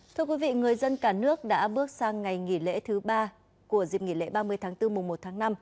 thưa quý vị người dân cả nước đã bước sang ngày nghỉ lễ thứ ba của dịp nghỉ lễ ba mươi tháng bốn mùa một tháng năm